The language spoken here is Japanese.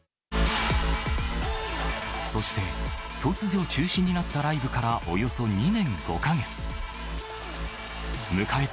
そして突如中止になったライブからおよそ２年５か月。